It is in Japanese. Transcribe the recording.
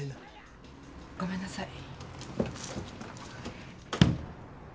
ごめんなさい。